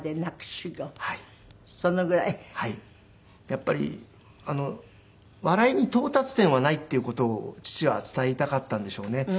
やっぱり笑いに到達点はないっていう事を父は伝えたかったんでしょうね。